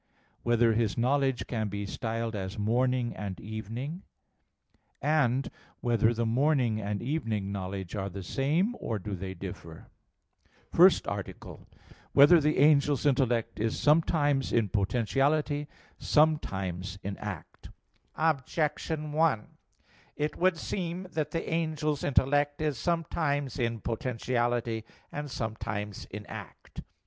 (6) Whether his knowledge can be styled as morning and evening? (7) Whether the morning and evening knowledge are the same, or do they differ? _______________________ FIRST ARTICLE [I, Q. 58, Art. 1] Whether the Angel's Intellect Is Sometimes in Potentiality, Sometimes in Act? Objection 1: It would seem that the angel's intellect is sometimes in potentiality and sometimes in act.